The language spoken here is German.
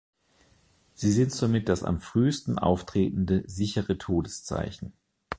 Sie sind somit das am frühesten auftretende sichere Todeszeichen.